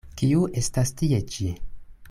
Kiu estas tie ĉi?